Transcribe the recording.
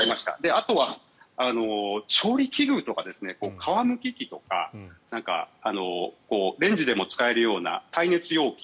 あとは調理器具とか皮むき器とかレンジでも使えるような耐熱容器